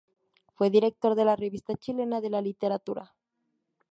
Fue director de la "Revista Chilena de la Literatura".